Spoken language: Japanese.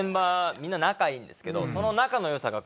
みんな仲いいんですけど。